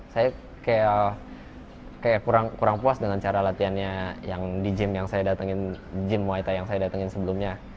saya kayak kurang puas dengan cara latihannya yang di gym muay thai yang saya datengin sebelumnya